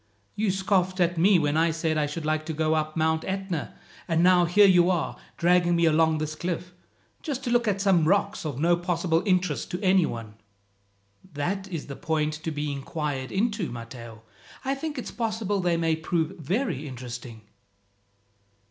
You scoffed at me when I said I should like to go up Mount Etna, and now here you are, dragging me along this cliff, just to look at some rocks of no possible interest to any one." "That is the point to be inquired into, Matteo. I think it's possible they may prove very interesting."